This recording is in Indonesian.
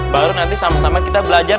baru nanti sama sama kita belajar